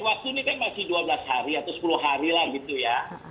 waktu ini kan masih dua belas hari atau sepuluh hari lah gitu ya